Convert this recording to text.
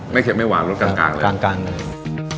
ไม่แข็งไม่หวานรสกลาง